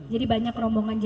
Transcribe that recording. jadi banyak rombongan jamaah